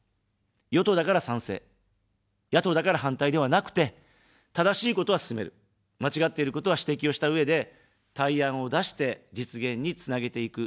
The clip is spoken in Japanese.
与党だから賛成、野党だから反対ではなくて、正しいことは進める、間違っていることは指摘をしたうえで、対案を出して実現につなげていく。